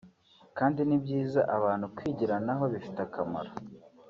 kandi nibyiza abantu kwigiranaho ibifite akamaro